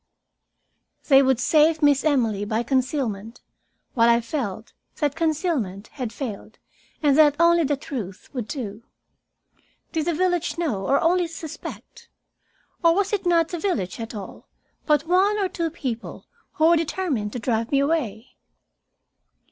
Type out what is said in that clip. They would save Miss Emily by concealment, while I felt that concealment had failed, and that only the truth would do. Did the village know, or only suspect? Or was it not the village at all, but one or two people who were determined to drive me away?